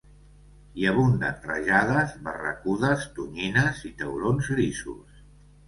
Hi abunden rajades, barracudes, tonyines i taurons grisos.